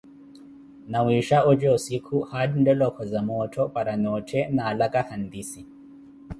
Nawiisha oja ossikhu, haalu ontthela okoza moottho, para noothe naalaka hantisse.